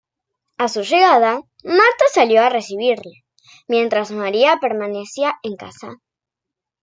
A su llegada, Marta salió a recibirle, mientras María permanecía en casa.